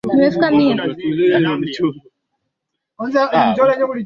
wa lugha za Kiturki ni zaidi Waislamu na wenye lugha za Kimongolia